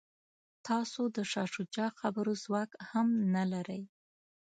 تاسو د شاه شجاع خبرو ځواک هم نه لرئ.